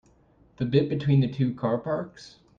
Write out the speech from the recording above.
The bit between the two car parks?